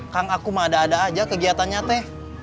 kang aku mah ada ada aja kegiatannya teh